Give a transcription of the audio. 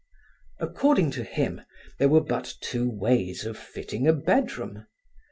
According to him, there were but two ways of fitting a bedroom.